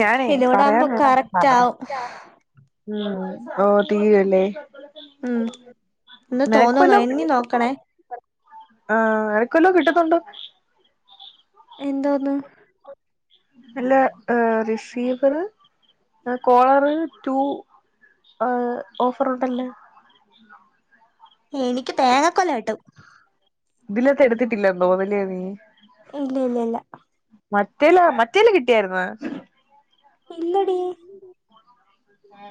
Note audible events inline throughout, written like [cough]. ഞാനേ ഇതിലൂടാകുമ്പോ പറയാനുള്ളതാണ്ട് കറക്റ്റ് പറയും ആവും ഉം ഓ തീരൊല്ലേ ഉം ഒന്ന് നിനക്ക് തോന്നുന്നു വല്ലതും എണ്ണി നോക്കണേ ആ ക്കല്ലോ കിട്ടുന്നുണ്ടോ എന്തോന്ന് അല്ല റിസീവറ് കോളറ് റ്റു ആ ഓഫറുണ്ടല്ല എനിക്ക് തേങ്ങ കൊല കിട്ടും ഇതിലത്തെ എടുത്തിട്ടില്ലന്നോ വലിയ നീ ഇല്ല ഇല്ല ഇല്ല മറ്റേല്ല മറ്റേല്ല കിട്ടിയായിരുന്ന ഇല്ലടി ആ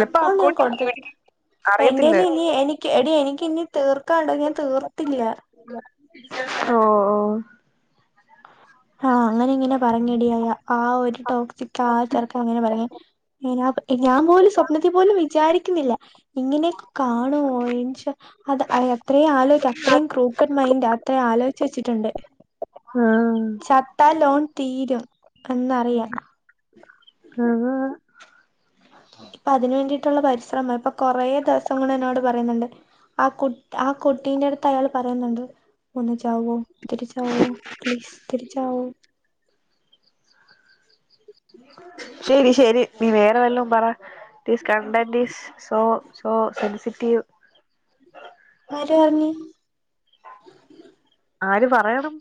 അകൗണ്ട് ഞാൻ കൊടുത്തിട്ടില്ല അറിയത്തില്ല എന്റേല് ഇനി എടി എനിക്ക് ഇനി തീർക്കാണ്ടോ ഞാൻ തീർത്തില്ല ഓ ഓ [unintelligible] ആ അങ്ങനെ ഇങ്ങനെ പറഞ്ഞടി ആ ഒരു ടോക്സിക് ആ ചെർക്കൻ ഇങ്ങനെ പറയ ഞാൻ പോലും സ്വപ്നത്തി പോലും വിചാരിക്കുന്നില്ല ഇങ്ങനെയൊക്കെ കാണുമോ അത് അയാ അത്രയും ആലോയ്ക അത്രയും ക്രൂക്കഡ് മൈൻഡ അത്രേ ആലോയ്ച്ച് വെച്ചിട്ടുണ്ട് ആ ചത്താൽ ലോൺ തീരും എന്നറിയാം ആ ഇപ്പൊ അതിന് വേണ്ടിയിട്ടുള്ള പരിശ്രമ ഇപ്പൊ കൊറേ ദിവസം കൊണ്ട് എന്നോട് പറയുന്നുണ്ട് ആ കുട്ട ആ കുട്ടീന്റെ അടുത്ത് അയാൾ പറയുന്നുണ്ട് ഒന്ന് ചാവോ തിരിച്ചാവോ പ്ലീസ് തിരിച്ചാവോ ശരി ശരി നീ വേറെ വല്ലവും പറ this content is so so sensitive ആര് പറഞ്ഞി ആര് പറയണം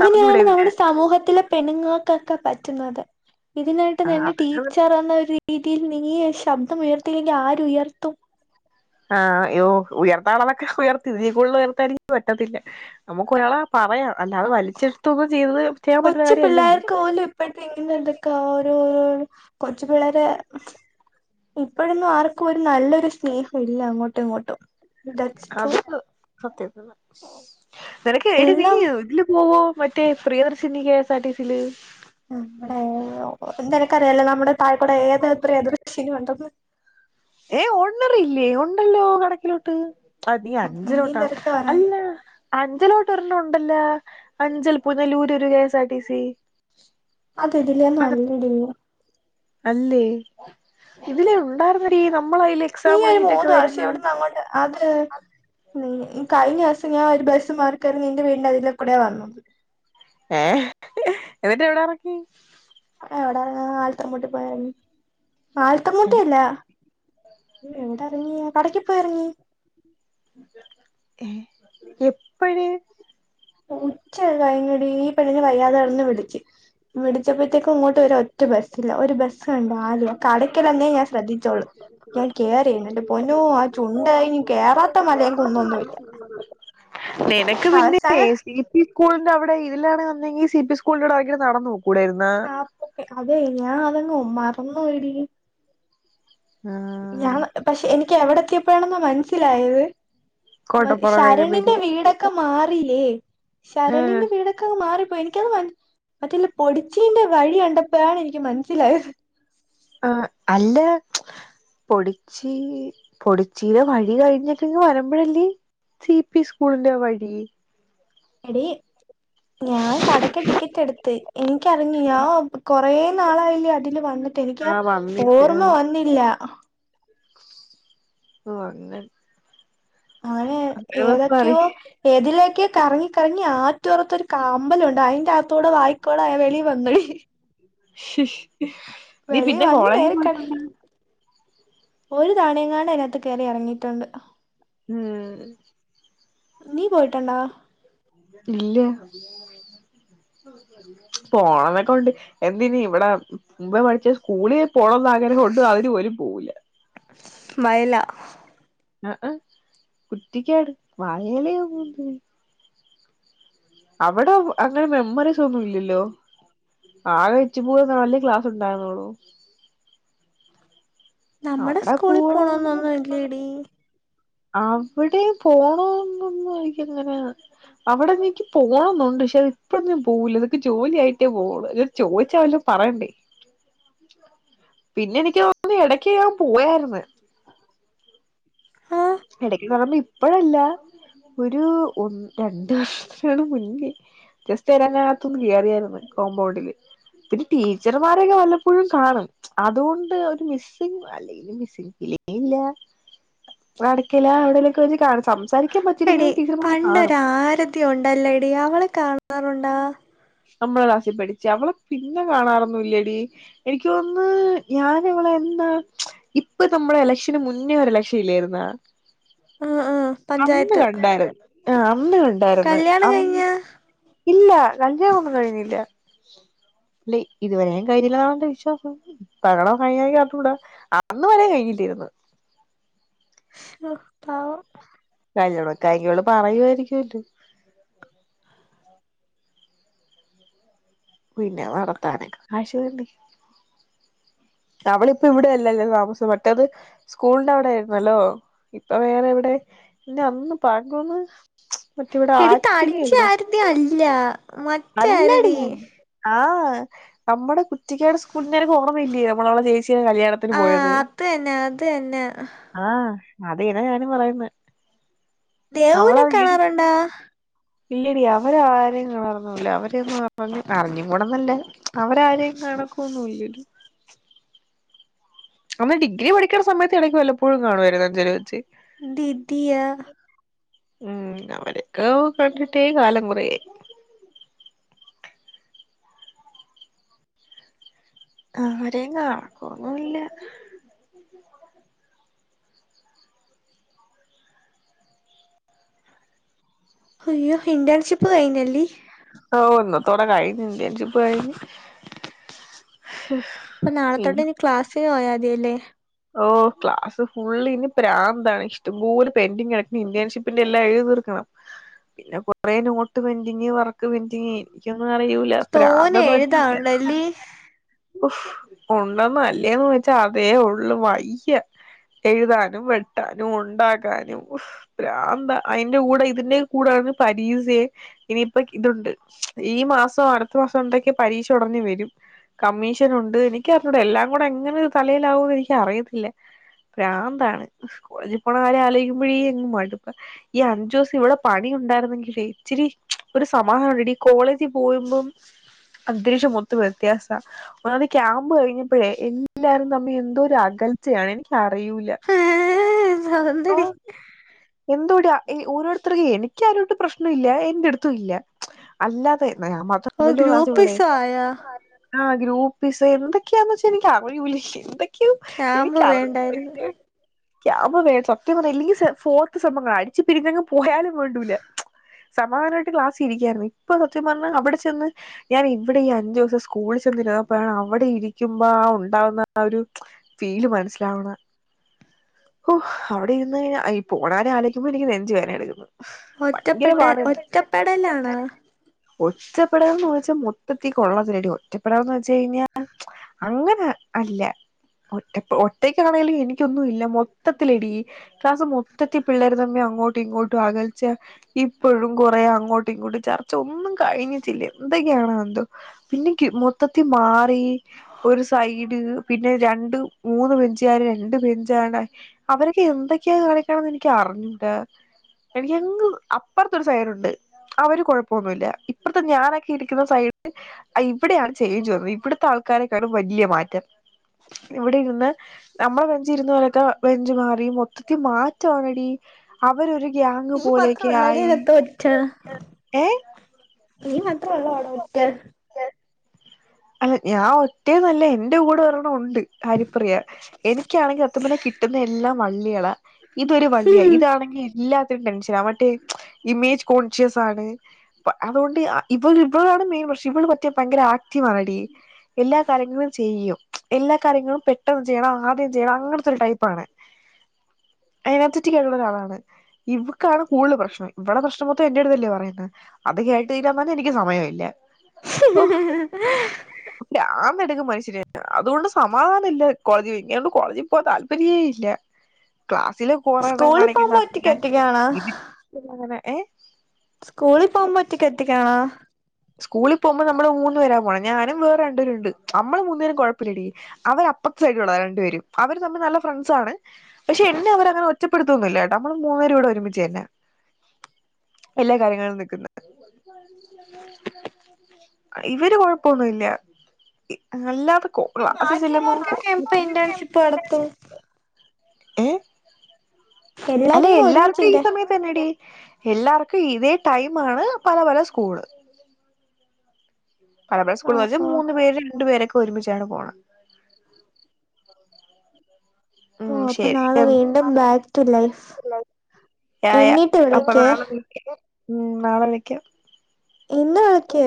പറഞ്ഞൂടെ പിന്നെ നമ്മുടെ സമൂഹത്തിലെ പെണ്ണുങ്ങൾക്കൊക്കെ പറ്റുന്നത് ഇതിനായിട്ട് ആ നിന്റെ അതൊക്കെ പിന്നെ ടീച്ചർ എന്ന ഒര് രീതിയിൽ നീ ശബ്ദം ഉയർത്തില്ലെങ്കിൽ ആരു ഉയർത്തും ആഹ് അയ്യോ ഉയർത്ത ആളൊക്കെ ഉയർത്തിതിക്കൂടു ഉയർത്തും പറ്റത്തില്ല നമുക്ക് ഒരാളെ പറയാം അല്ലാതെ വലിച്ചെടുത്തൊന്നും ചെയ്തത് ചെയ്യാൻ പറ്റുന്ന കൊച്ചു കാര്യല്ലല്ലോ പിള്ളേർക്ക് പോലും ഇപ്പട്ട ഇങ്ങനെ എന്തൊക്കെ ഓരോരോ കൊച്ചു പിള്ളേര് ഇപ്പോഴന്നും ആർക്കും ഒരു നല്ലൊരു സ്നേഹം ഇല്ല അങ്ങോട്ടും ഇങ്ങോട്ടും ഡസ്ടോ സത്യ നിനക്കട്ട നീ എല്ലാം ഇതില് പോവോ മറ്റേ പ്രിയദർശിനി കേസാർടിസില് ആ അ ഓ എന്താ എനിക്കറിയല്ലേ നമ്മുടെ താഴക്കൂടെ ഏതത്ര എതിർശീന ഉണ്ടന്ന് ഏ് ഉണ്ണറില്ലേ ഉണ്ടല്ലോ കടക്കിലോട്ട് അതീ അതിനേം അഞ്ചിലോട്ടാ തെരച്ചിൽ വരാണ് അല്ല അഞ്ചിലോട്ട് ഇോ ല്ല അഞ്ചൽ പൂുന്ന ലൂര് ഒരു K S R T C അത ഇതിില്ലന്ന് അത് മണിടു അല്ലേ ഇതിലെ ഉണ്ടായിർുന്ന രീ നീ ഒരു മൂന്ന് വർഷം എവിടന്ന് അങ്ങോണ്ട് അത് ന കഴിഞ്ഞ ദിവസം ഞൻ ബസ്സ് മാർക്കരു നിന്റെ വീണ്ട അതില കൂടെ വന്നത് ഏ എന്നിട്ട് എവിടാ ഇറക്കി എവിട ആൽത്തമ്മൂട്ടി പോയരുന്നു ആൽത്തമ്മൂട്ടിയല്ല എവിടാ ഇറങ്ങിയ കടക്ക് പോയിറങ്ങിയ ഏ എപ്പഴ ഉച്ചയ കഴകടി ഈ പെണ്ണിഞ് വയ്യാതെ ഇറന്ന് വിളിക്ക് വിടിച്ചപ്പോത്തേക്കും ഇങ്ങോട്ട് ഒ ഒറ്റ ബസ്സല്ല ഒരു ബ ണ്ട ആല കടയ്ക്കൽന്നേ ഞാൻ ശ്രദ്ധിച്ചോളൂ ഞാൻ കേയറിനല്ല പൊനു ആ ചുണ്ട ഇനി കേയറാത്ത മല കുുന്നൊന്നുമല്ല നിനക്ക് പിന്നെ സി പി സ്കൂളിന്റെ അവിടെ ഇതിലാണ് വന്നെങ്കിൽ സി പി സ്കൂളിന്റെ അവിടെ ഭയങ്കം നടന്നു നോക്കും ാപ്പൊക്കെ അതെ ഞാൻ അതങ്ങങ് മറന്ന പോടി ഞാൻ പക്ഷെ എനിക്ക് എവിടെ എത്തിയപ്പോാണെന്ന മനസ്സിലായത് മ കോട്ടപ്പുറം കൈനപേരി ശരണിന്റെ വീടൊക്കെ മാറല്ലേ ആഹ് ശരണിന്റെ വീടൊക്കെ അങ് മാറിപ്പോയി എനിക്ക് എിക്കത് മറ്റില്ല പൊടിച്ചീറെ വഴി കണ്ടപ്പോാണ് എനിക്ക് മനസ്സിലായത് ആ അല്ല പൊടിച്ചി പൊടിച്ചിയിലെ വഴി കഴിഞ്ഞിട്ടെ വരുമ്പഴല്ലേ സി പി സ്കൂളിന്റെ വഴി എടി ഞാൻ കടക്ക് ടിക്കറ്റ് എടുത്ത് എനിക്കറങ്ങ ഞാ കൊറ നാളായില്ലേ അതില് വന്നിട്ട് എനിക്ക് ആ വന്നിട്ട് ഓർമ്മ വന്നില്ല ഓ അങ്ങനെ അങ്ങനെ ബസ് മാറി ഏതൊക്കെയോ ഏതിലേക്ക് കറങ്ങി കറങ്ങി ആറ്റോറത്തൊരു കമ്പലംണ്ട് അയിൻറ അകത്തോടെ വായിക്കോടെ വെളി വന്ന നീ പിന്നെ വന്ന് കോളേജിൽ നേരെ കട പോയിട്ടന്ന ഒരു താണയംങ്ങാണ്ട് അതിനകത്ത് കയറി ഇറങ്ങിയിട്ടുണ്ട് ഉം നീ പോയിട്ടണ്ടാ ഇല്ല പോണം എന്നൊക്കെ ഉണ്ട് എന്തിനി ഇവിടെ മുമ്പേ പഠിച്ച സ്കൂള പുളന്നാങ്ങനെ കൊണ്ട് അതിന് ഒരുല പോവില്ല വയല ആ് ആഹ കുട്ടിക്കാട് വായലയാോ പോന്ത അവിടെ അങ്ങനെ മെമ്മറീസ് ഒന്നും ഇല്ലല്ലോ ആകഴച്ച് പോൂന്നെ വലിയ ക്ലാസ് ഉണ്ടായിരുന്നോളു നമ്മടെ അവിടെ സ്കൂളിൽ പോവാ പോണന്നൊന്നും ഇല്ലേടി അവിടെ പോണുന്നൊന്നു എനിക്ക് ഇങ്ങനെ അവിടെന്നനിക്ക് പോകണന്നുണ്ട് പക്ഷെ അത് ഇപ്പ ഞാൻ പോകൂല ഇതൊക്ക് ജോലി ആയിട്ടേ പോകണ ചോദിച്ചല്ലോ പറയണ്ടേ പിന്നെ എനിക്ക് തോന്നി ഇടക്ക് ഞാൻ പോയാരുന്ന് ആ ഇടയ്ക്ക്ന്ന് പറയുമ്പോ ഇപ്പഴല്ല ഒരു ഒ രണ്ടു വർഷത്തിലങ്ങാണ് മുന്നേ ജസ്റ്റ് അതികത്തുന്ന് കയറിയായിരുന്നു കോമ്പൗണ്ടില് പിന്നെ ടീച്ചർമാരൊക്കെ വല്ലപ്പോഴും കാണും അതുകൊണ്ട് ഒരു മിസ്സിംഗ അല്ലെങ്കലും മിസ്സി- ല്ല നടക്കല അവിടെലൊക്കെ വച്ച് കാണ- എടി പണ്ടൊരു ആരതി ഉണ്ടല്ലോടി അവളെ കാണാറുണ്ടാ നമ്മടെ ക്ലാസ്സിൽ പഠിച്ചേ അവളെ പിന്നെ കാണാറൊന്നുമില്ലടി എനിക്ക് തോന്നുന്നു ഞാൻ അവളെ എന്നാ ഇപ്പ നമ്മള് ഇലക്ഷന് മുന്നേ ഒരു ഇലക്ഷൻ ഇല്ലായിരുന്നാ ആഹ് ആഹ് അന്ന് പഞ്ചായത്ത് കണ്ടാരുന്ന് അന്ന് കണ്ടാരുന്നു കല്യാണം അന്ന് കഴിഞ്ഞാ ഇല്ല കല്യാണം ഒന്നും കഴിഞ്ഞില്ല കള്ളി ഇതുവരെ കഴിഞ്ഞില്ല എന്നാണന്റെ വിശ്വാസം ഇപ്പഴങ്ങാണം കഴിഞ്ഞ എന്നറിഞ്ഞ് കൂടാ അന്ന് വരെ കഴിഞ്ഞില്ലാ രുന്നു [unintelligible] കല്യാണമൊക്കെ ആയെങ്കില് അവള് പറയുവാരിക്കൂല്ലോ പിന്നെ നടത്താനൊക്കെ കാശ് വേണ്ടേ അവളിപ്പോ ഇവിടെയല്ലല്ലോ താമസം മറ്റേത് സ്കൂളിന്റെ അവിടെ ആയിരുന്നല്ലോ ഇപ്പൊ വേറെ എവിടെ [unintelligible] മറ്റേ ഇവിടെ ആറ്റിങ്ങ എടുത്തടിച്ച ഇല്ലേ ആരതി അല്ല അല്ലടി മറ്റാരതി ആ നമ്മുടെ കുറ്റിക്കാട് സ്കൂള് നിനക്ക് ഓർമ്മയില്ലേ നമ്മളവിടെ ചേ ച്ചീടെ കല്യാണത്തിന് ആഹ് പോയത് അത് തന്നെ അത് തന്നെ ആ അത് തന്നാ ഞാനും പറയുന്നേ ദേവുവിനെ കാണാറുണ്ടാ ഇല്ലടി അവരെ ആരെയും കാണാറൊന്നുമില്ല അവരെയൊന്നും അറിഞ്ഞ് അറിഞ്ഞ് കൂടെന്നല്ല അവരെ ആരെയും കാണക്കമൊന്നും ഇല്ലല്ലോ നമ്മള് ഡിഗ്രി പഠിക്കുന്ന സമയത്ത് ഇടയ്ക്ക് വല്ലപ്പോഴും കാണുവായിരുന്നു അഞ്ചല് വെച്ച് ദിദിയ ഉം അവരൊക്കെ കണ്ടിട്ടേ കാലം കുറെയായി ആരേം കാണക്ക ഒന്നുവില്ല അയ്യോ ഇന്റേൺഷിപ്പ് കഴിഞ്ഞല്ലേ ഓ ഇന്നത്തോടെ കഴിഞ്ഞു ഇന്റൻഷിപ്പ് കഴിഞ്ഞു അപ്പൊ നാളെതൊട്ട് ഇനി ക്ലാസ്സിന് പോയാ മതി അല്ലേ ഓ ക്ലാസ് ഫുള്ള് ഇനി പ്രാന്താണ് ഇഷ്ടം പെന്റിങ്ങ് കിടക്കുവാ ഇന്റേൺഷിപ്പിന്റെ എല്ലാം എഴുതി തീർക്കണം പിന്നെ കൊറേ note pending work pending എനിക്കൊന്നും അറിയൂല തോനെ ഫ്രാന്തെന്ന് വച്ചാൽ എഴുതാനുണ്ടല്ലി ഭ്രാന്ത് ഓ ഉണ്ടെന്നോ അല്ലേന്ന് ചോദിച്ചാ അതേ ഉളള് വയ്യാ എഴുതാനും വെട്ടാനും ഉണ്ടാക്കാനും ഭ്രാന്താ അതിന്റെ കൂടെ ഇതിന്റെയും കൂടെ പരീക്ഷയും ഇനിയിപ്പൊ ഇതുണ്ട് ഈ മാസം അടുത്ത മാസം എന്തൊക്കെയൊ പരീക്ഷ ഉടനെ വരും കമ്മീഷൻ ഉണ്ട് എനിക്ക് അറിഞ്ഞൂട എല്ലാം കൂടെ എങ്ങനെ തലയിലാവുന്ന് എനിക്ക് അറിയത്തില്ല പ്രാന്താണ് കോളേജിൽ പോണ കാര്യം ആലോചിക്കുമ്പോഴ അങ്ങ് മടുപ്പാണ് ഈ അഞ്ചു ദിവസം ഇവിടെ പണി ഉണ്ടായിരുന്നെങ്കിലേ ഇച്ചിരി ഒരു സമാധാനം ഉണ്ടെടി ഈ കോളേജിൽ പോകുമ്പം അന്തരീക്ഷം മൊത്തം വ്യത്യാസവാ ഒന്നാമത് ക്യാമ്പ് കഴിഞ്ഞപ്പോഴേ എല്ലാവരും തമ്മിൽ എന്തോ അകൽച്ചയാണ് എനിക്ക് അറിയൂല്ല സൗന്ദടി എന്തുവാടെ ഓരോരുത്തർക്ക് എനിക്ക് ആരുവായിട്ടും പ്രശ്നം ഇല്ല എന്റടുത്തും ഇല്ല അല്ലാതെ ഞാൻ ഓ മാത്രമല്ലല്ലോ ക്ലാസ്സിലുള്ളേ ഗ്രൂപ്പിസം ആയോ ആ ഗ്രൂപ്പിസം എന്തൊക്കെയാന്ന് വെച്ചാ എനിക്കറിയൂല്ല എന്തൊ ക്കെ ക്യാമ്പ് എനിക്കറിഞ്ഞുകൂടാ വേണ്ടായിരുന്നു [unintelligible] ക്യാമ്പ് സത്യം പറഞ്ഞാ ഇല്ലങ്കിൽ ഫോൺ അ സംഭവങ്ങൾ അടിച്ച് പിരിഞ്ഞങ്ങ് പോയാലും വേണ്ടൂല്ല സമാധാനമായിട്ട് ക്ലാസിൽ ഇരിക്കായിരുന്നു ഇപ്പൊ സത്യം പറഞ്ഞ അവിടെ ചെന്ന് ഞാൻ ഇവിടെ ഈ അഞ്ചു ദിവസം സ്കൂളിൽ ചെന്നിരുന്നപ്പോ ആണ് അവിടെ ഇരിക്കുമ്പോ ആ ഉണ്ടാവുന്ന ആ ഒരു ഫീല് മനസ്സിലാവണെ ഓ അവിടെ ഇരുന്ന് ഈ പോണ കാര്യം ആലോചിക്കുമ്പോ എനിക്ക് നെഞ്ചു വേദന എടുക്കുന്നു. ഭയങ്കര ഒറ്റപ്പെട്ട ഒറ്റപ്പെടലാണോ ഒറ്റപ്പെടുവോന്ന് ചോദിച്ചാൽ മൊത്തത്തിൽ കൊള്ളത്തില്ലടി ഒറ്റപ്പെടുവോന്ന് ചോദിച്ച് കഴിഞ്ഞാ അങ്ങനെ അല്ല ഒറ്റ ഒറ്റക്കാണേലും എനിക്കൊന്നും ഇല്ല മൊത്തത്തിലെടി ക്ലാസ് മൊ മുറ്റത്തി പിള്ളേർ തമ്മി അങ്ങോട്ടും ഇങ്ങോട്ടും അകൽച്ച ഇപ്പോഴും കുറേ അങ്ങോട്ടും ഇങ്ങോട്ടും ചർച്ച ഒന്ന്ും കഴിഞ്ഞിട്ടില്ല എന്തൊക്കെയണോ എന്തോ പിന്നെ മൊത്തത്തി മാറി ഒരു സൈഡ് പിന്നെ രണ്ട് മൂന്ന് ബെഞ്ചുകാര് രണ്ട് ബെഞ്ചാണ് അവരൊക്കെ എന്തൊക്കെയാണ എനിക്ക് അറിഞ്ഞിട്ട എനിിക്കങ് അപ്പുറത്തരു സൈഡുണ്ട് അവര് കുഴപ്പൊന്നുമല്ല ഇപ്പറത്തെ ഞാനൊക്കെ ഇരിക്കുന്ന സൈഡിൽ ഇവിടെയാണ് ചെയ്യയുംന്നുന്നത് ഇവിടത്തെ ആൾക്കാരെക്കാടും വലിയ മാറ്റം ഇവിടെ ഇരുന്ന് നമ്മുടെ ബെഞ്ച് ഇരുന്ന് പോലത്ത ബെഞ്ച് മാറി മൊത്തത്തി മാറ്റി ോണടി അവർ ഒരു ഈ മാത്രം ഒള്ളടെരത്ത ഒച്ച ഏ ഈ മാത്ര അടടുക്ക അല്ല ഞാൻ ഒറ്റേ നല്ല എൻന്റെ കൂടെ പറരെണം ഉണ്ട് ഹരിപ്രിയ എനിക്കാണെങ്കിൽ അത്തമനെ കിട്ടുന്ന എല്ലാം വള്ളികളാ ഇതൊരു വള്ളിയാ ഇതാണെങ്ക അ എല്ല റ്റേ ഇമേജ് കോൺഷ്യ ആണ് അതുകൊണ്ട് ഇ ശിവു മത്തിയ പങ്കര മടി എല്ലാ കാര്യങ്ങളും ചെയ്യും എല്ലാ കാര്യങ്ങളും പെട്ടെന്ന് ചെയ്യണം ആദ്യം ചെയ്യണം അങ്ങനത്തെ ടൈപ്പാണ് എനർജറ്റിക് ആയിട്ടുള്ള ഒരാളാണ് ഇവക്കാണ് കൂടുതൽ പ്രശ്നം ഇവിടെ പ്രശ്നമൊത്തവ എന്റെറ ഇടുതല്ലേ പറയുന്നത് അത് കേട്ട് തീരാന്ന് പറഞ്ഞാ എനിക്ക് സമയമ ഇല്ല ഉ ല്ല ആന്നടുക്ക്ും മനുഷ്യര അതുകൊണ്ട് സമാധാന ഇല്ല കോളേജിൽ ഇങ്ങൊണ്ട് കോളേജിൽ പോവാ താല്പര്യമേ ഇല്ല ക്ലാസ്സിലറണ്ണ സ്കൂളിൽ പോകുമ്പോ കാണിക്കുന്ന ഒറ്റക്ക് ഒറ്റക്കാണോ ഞാൻങ്ങനെ ഏ സ്കൂളിൽ പോകുമൻ പറ്റ കത്തിക്കണോ സ്കൂളിൽ പോകുമ്പോൾ നമ്മള് മൂന്ന്ുേരാ പോകണം ഞാനും വേറെ രണ്ടപേരു ഉണ്ട് നമ്മള് മൂന്നുേും കുഴപ്പില്ലട അവപ്പ സഡ രണ്ടു പേര അവര് തമ്മിൽ നല്ല ഫ്രണ്ട്സാണ് പക്ഷെ എന്നെ അവരങ്ങനെ ഒറ്റപ്പെടുത്തന്നില്ല നമ്മൾ മൂന്നര ഒരുമിച്ചുന്ന എല്ലാ കാര്യങ്ങളും നിക്കുന്ന ഇവര് കൊഴപ്പൊന്നുമല്ല അല്ലാ അപ്പൊഈ ബാക്കിയുള്ളവർക്കൊക്കെ ഇപ്പൊ ഇന്റേൺഷിപ്പ് നടത്തു ഏ എല്ലാരും അല്ലെ കൂടെ എല്ലാർക്കും ഈ ഒരുമിച്ചിന്റെ സമയത്ത്ന്നെട എല്ലാർക്കും ഇതേ ടൈം ആണ് പല പല സ്കൂള് പലമ്പഴ ആ സ്കൂൾ എന്ന് വച്ച് ആ മൂന്നു പേര് രണ്ടു പേരൊക്കെ ഒരുമിച്ചാണ് പോണം ഓ അപ്പൊ ശരി നാളെ വീണ്ടും ബാക്ക് ടു ലൈഫ് ായ എണ്ണീട്ട് അപ്പൊ വിളിക്കേ നാളെ വിളക്ക് ഉം നാളെ വിളക്ക ഇന്ന് വിളക്കേ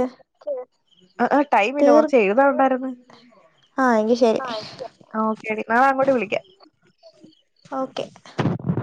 ആ ടൈമില്ല കൊറച്ച് എഴുതാ ഉണ്ടായിന്ന് ആ എങ്കി ശരി ആ ഓെടി ന അങ്ങോട്ട് വിളിക്കാം ഓക്കെ ഉം